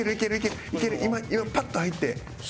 今パッと入って。